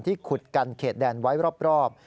ขุดกันเขตแดนไว้รอบ